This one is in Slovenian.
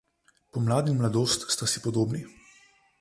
Pomlad in mladost sta si podobni.